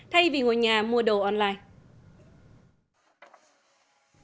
thay vì ngồi nhà mua đồ online